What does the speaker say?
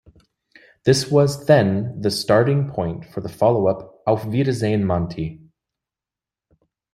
This was then the starting point for the follow-up "Auf Wiedersehen Monty".